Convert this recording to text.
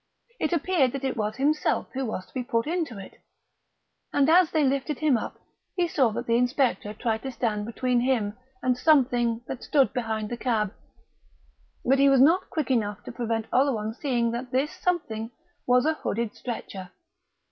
It appeared that it was himself who was to be put into it; and as they lifted him up he saw that the inspector tried to stand between him and something that stood behind the cab, but was not quick enough to prevent Oleron seeing that this something was a hooded stretcher.